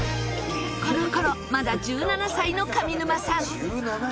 この頃まだ１７歳の上沼さん。